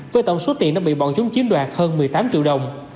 với tổng số tiền đã bị bọn chúng chiếm đoạt hơn một mươi tám triệu đồng